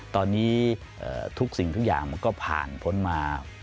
ตอนนี้ทุกสิ่งทุกอย่างมันก็ผ่านพ้นมา